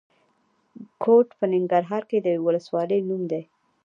کوټ په ننګرهار کې د یوې ولسوالۍ نوم دی.